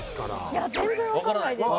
いや全然わからないです。